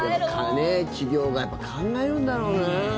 企業が考えるんだろうな。